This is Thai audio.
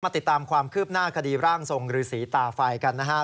ติดตามความคืบหน้าคดีร่างทรงฤษีตาไฟกันนะฮะ